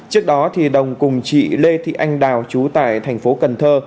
trước đó đồng cùng chị lê thị anh đào trú tại thành phố cần thơ